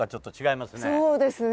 そうですね。